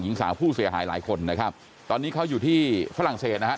หญิงสาวผู้เสียหายหลายคนนะครับตอนนี้เขาอยู่ที่ฝรั่งเศสนะฮะ